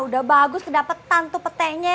udah bagus kedapatan tuh petainya